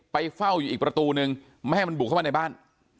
เฝ้าอยู่อีกประตูนึงไม่ให้มันบุกเข้ามาในบ้าน